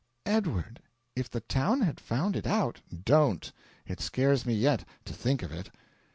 "Edward! If the town had found it out " "DON'T! It scares me yet, to think of it.